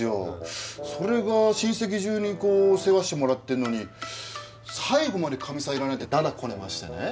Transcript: それが親戚中にこう世話してもらってんのに最後までカミさん要らないってだだこねましてね。